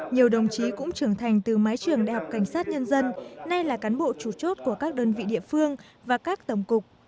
nhiều đồng chí cũng trưởng thành từ mái trường đại học cảnh sát nhân dân nay là cán bộ chủ chốt của các đơn vị địa phương và các tổng cục